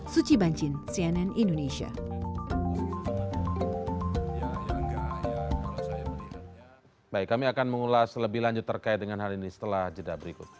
suci bancin cnn indonesia